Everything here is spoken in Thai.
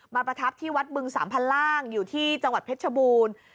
ประทับที่วัดบึงสามพันล่างอยู่ที่จังหวัดเพชรชบูรณ์